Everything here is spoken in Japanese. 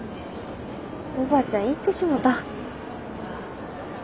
おばあちゃん行ってしもた。